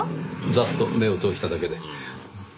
ざっと目を通しただけで。